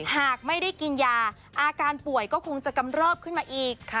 หากไม่ได้กินยาอาการป่วยก็คงจะกำเริบขึ้นมาอีก